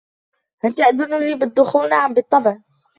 " هل تأذن لي بالدخول ؟"" نعم ، بالطبع ".